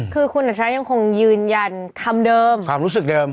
คือคุณอัจฉริยะยังคงยืนยันคำเดิมความรู้สึกเดิม